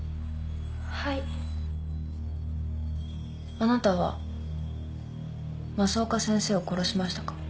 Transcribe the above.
あなたは増岡先生を殺しましたか？